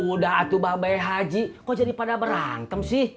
udah atuh babai haji kok jadi pada berantem sih